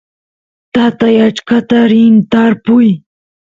tatay achkata rin tarpuy